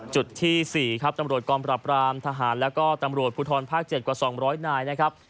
จุดที่๔ครับตำรวจกองปราบรามทหารแล้วก็ตำรวจภูทรภาค๗กว่า๒๐๐นายนะครับ